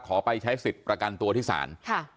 ไปใช้สิทธิ์ประกันตัวที่ศาล